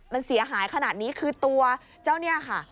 มันเสียหายขนาดนี้คือตัวเจ้าเนี่ยค่ะ